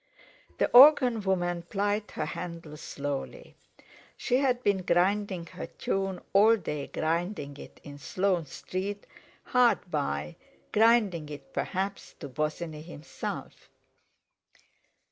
The organ woman plied her handle slowly; she had been grinding her tune all day—grinding it in Sloane Street hard by, grinding it perhaps to Bosinney himself.